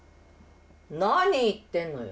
何言ってんのよ。